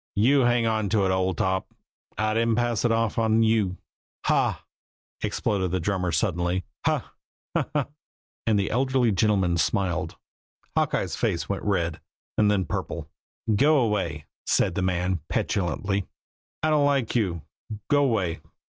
"You hang on to it, old top. I didn't pass it off on you." "Haw!" exploded the drummer suddenly. "Haw haw, haw!" And the elderly gentleman smiled. Hawkeye's face went red, and then purple. "Go 'way!" said the man petulantly. "I don't like you. Go 'way!